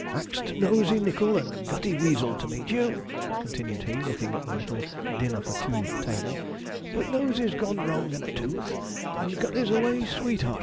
'Axed Nosey Nickel and Gutty Weazel to meet you,' continued he, looking at the little 'dinner for two' table; 'but Nosey's gone wrong in a tooth, and Gutty's away sweetheartin'.